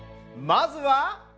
まずは。